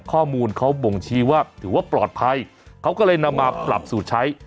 ข้อมูลเขาบ่งชี้ว่าถือว่าปลอดภัยเขาก็เลยนำมาปรับสูตรใช้